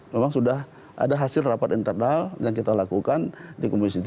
memang sudah ada hasil rapat internal yang kita lakukan di komisi tiga